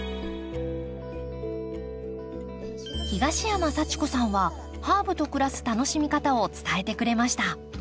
東山早智子さんはハーブと暮らす楽しみ方を伝えてくれました